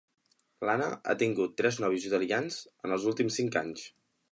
L'Anna ha tingut tres nòvios italians en els últims cinc anys.